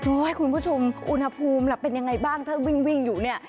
คุณผู้ชมอุณหภูมิล่ะเป็นยังไงบ้างถ้าวิ่งอยู่เนี่ย